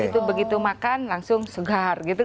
jadi jamu itu langsung segar gitu kan